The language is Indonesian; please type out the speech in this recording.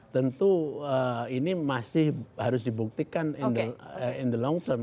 tentu ini masih harus dibuktikan in the long term